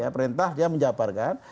perintah dia menjabarkan